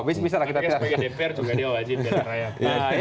tapi sebagai dpr juga dia wajib